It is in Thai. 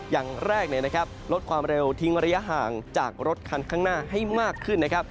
อย่างแรกลดความเร็วทิ้งระยะห่างจากรถคันข้างหน้าให้มากขึ้นนะครับ